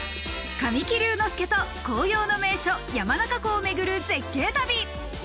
神木隆之介と紅葉の名所・山中湖をめぐる絶景旅。